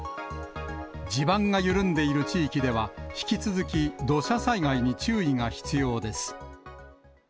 地盤が緩んでいる地域では、引き続き土砂災害に注意が必要です。